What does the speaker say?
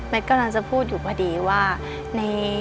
แม็คก็กำลังจะพูดอยู่กันพอดีว่า